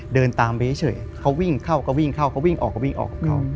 เดินตามไปเฉยเขาวิ่งเข้าก็วิ่งเข้าเขาวิ่งออกก็วิ่งออกของเขา